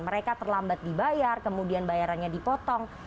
mereka terlambat dibayar kemudian bayarannya dipotong